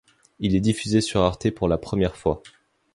Il est diffusé sur Arte pour la première fois.